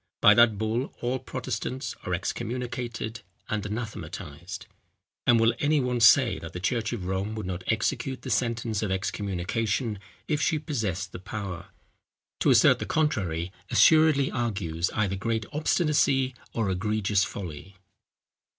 By that bull all Protestants are excommunicated and anathematized; and will any one say that the church of Rome would not execute the sentence of excommunication if she possessed the power? To assert the contrary assuredly argues either great obstinacy or egregious folly.